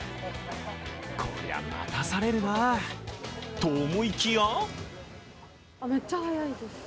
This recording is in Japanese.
こりゃ待たされるなと思いきや！